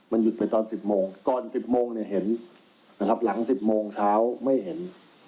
มันหยุดไปตอน๑๐โมงก่อน๑๐โมงเนี่ยเห็นนะครับหลัง๑๐โมงเช้าไม่เห็น